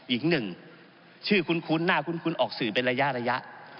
อีกหนึ่งชื่อคุ้นหน้าคุ้นออกสื่อเป็นระยะ